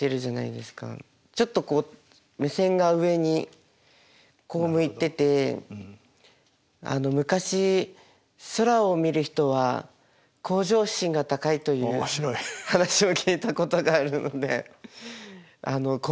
ちょっとこう目線が上にこう向いててあの昔空を見る人は向上心が高いという話を聞いたことがあるので。